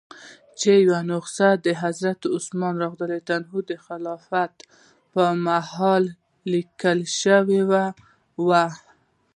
چې یوه نسخه د حضرت عثمان د خلافت په مهال لیکل شوې وه.